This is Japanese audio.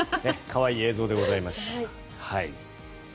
可愛い映像でございました。